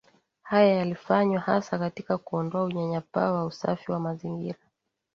Haya yalifanywa hasa katika kuondoa unyanyapaa wa usafi wa mazingira